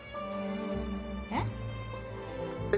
えっ？